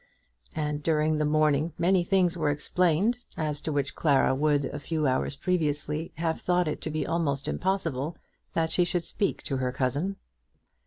And during the morning many things were explained, as to which Clara would a few hours previously have thought it to be almost impossible that she should speak to her cousin.